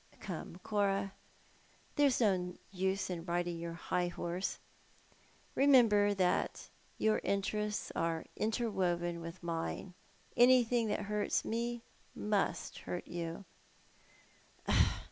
Come, Cora, there's no use in your riding the high horse. Picmember that your interests are interwoven with mine. Anything that hurts me must hurt you."